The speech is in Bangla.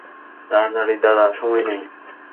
তারাতাড়ি, দাদা, সময় নেই!